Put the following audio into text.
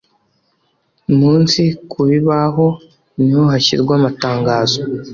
munsi ku bibaho niho hashyirwa amatangazo